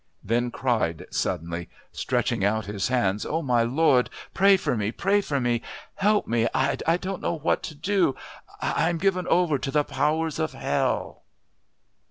Then cried, suddenly stretching out his hands: "Oh, my lord, pray for me, pray for me! Help me! I don't know what I do I am given over to the powers of Hell!"